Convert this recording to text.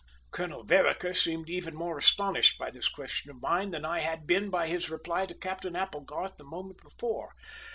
Colonel Vereker seemed even more astonished by this question of mine than I had been by his reply to Captain Applegarth the moment before.